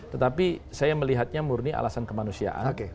tetapi saya melihatnya murni alasan kemanusiaan